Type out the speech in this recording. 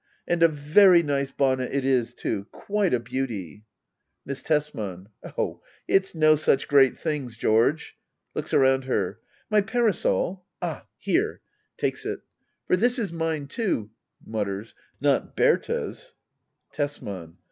And a very nice bonnet it is too — quite a beauty ! Miss Tesman. Oh^ it's no such great things, George. [Looks around her.] My parasol ? Ah, here. [Take* it.] For this is mine too — [mutters] — not Berta's. Tesman.